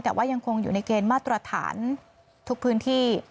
แต่ว่ายังคงอยู่ในเกณฑ์มาตรฐานทุกพื้นที่